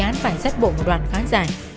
ngày ba tháng sáu